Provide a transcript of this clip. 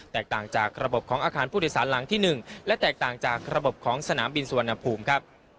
ต่างจากระบบของอาคารผู้โดยสารหลังที่๑และแตกต่างจากระบบของสนามบินสุวรรณภูมิครับ